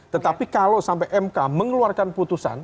tetapi kalau sampai mk mengeluarkan putusan